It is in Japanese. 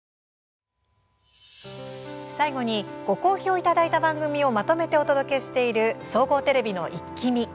最後にご好評いただいた番組をまとめてお届けしている総合テレビの「イッキ見！」。